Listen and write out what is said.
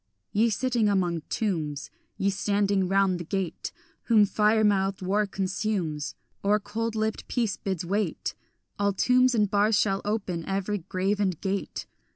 Ye sitting among tombs, Ye standing round the gate, Whom fire mouthed war consumes, Or cold lipped peace bids wait, All tombs and bars shall open, every grave and grate.